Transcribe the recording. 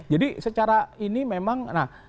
jadi secara ini memang